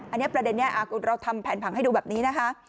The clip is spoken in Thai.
อันนี้ประเด็นนี้เราทำแผนผังให้ดูแบบนี้นะคะ